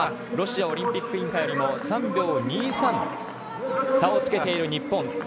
ロシアオリンピック委員会にも３秒２３差をつけている日本。